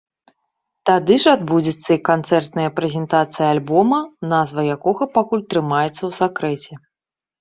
Тады ж адбудзецца і канцэртная прэзентацыя альбома, назва якога пакуль трымаецца ў сакрэце.